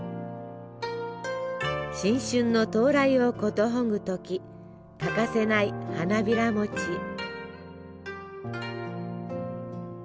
新春の到来を寿ぐ時欠かせない花びらもち。